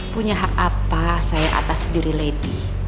punya hak apa saya atas diri lady